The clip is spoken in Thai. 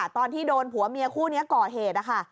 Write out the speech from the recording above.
ตอนที่โดนผัวเมียคู่นี้ก่อเหตุนะคะ